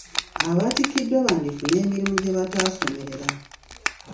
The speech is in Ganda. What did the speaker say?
Abatikkiddwa bandifuna emirimu gye bataasomerera.